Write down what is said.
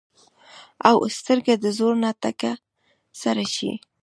او سترګه د زور نه تکه سره شي